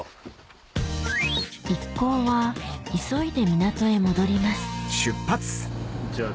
一行は急いで港へ戻りますじゃあ